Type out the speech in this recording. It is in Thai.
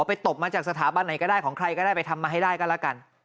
ไปตบออกมาจากสถาบันไหนทำให้ได้ก็ละกัน